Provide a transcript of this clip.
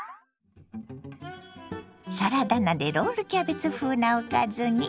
サラダ菜でロールキャベツ風なおかずに。